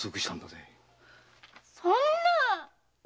そんな！